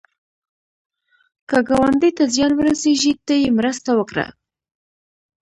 که ګاونډي ته زیان ورسېږي، ته یې مرسته وکړه